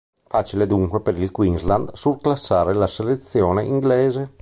Facile dunque per il Queensland surclassare la selezione inglese.